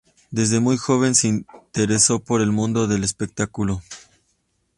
Desde muy joven se interesó por el mundo del espectáculo.